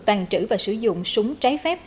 tàn trữ và sử dụng súng trái phép